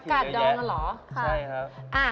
ประกัดดองหรอ